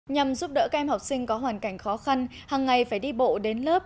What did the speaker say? nhằm giúp đỡ các em học sinh có hoàn cảnh khó khăn hàng ngày phải đi bộ đến lớp